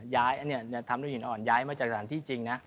ทำด้วยหินอ่อนย้ายมาจากสถานที่จริงนะ